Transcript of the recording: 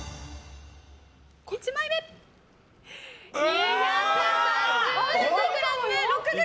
１枚目、２３６ｇ。